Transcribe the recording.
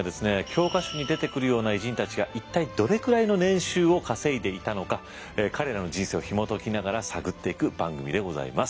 教科書に出てくるような偉人たちが一体どれくらいの年収を稼いでいたのか彼らの人生をひも解きながら探っていく番組でございます。